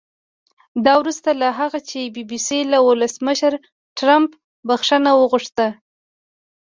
دا وروسته له هغه چې بي بي سي له ولسمشر ټرمپه بښنه وغوښته